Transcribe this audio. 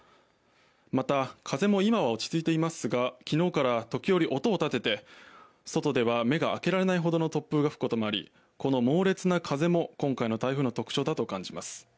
また風も今は落ち着いていますが昨日から時折、音を立てて外では目が開けられないほどの突風が吹くこともありこの猛烈な風も今回の台風の特徴だと感じます。